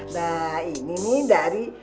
nah ini nih dari